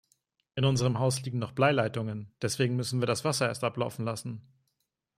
In unserem Haus liegen noch Bleileitungen, deswegen müssen wir das Wasser erst ablaufen lassen.